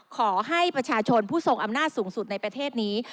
ขอให้ประชาชนผู้ทรงอำนาจสูงสุดในประเทศนี้